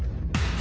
あ！